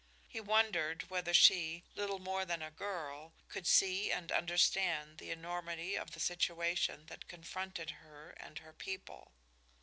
He wondered whether she, little more than a girl, could see and understand the enormity of the situation that confronted her and her people.